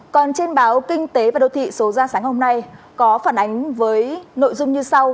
còn trên báo kinh tế và đầu thị số ra sáng hôm nay có phản ánh với nội dung như sau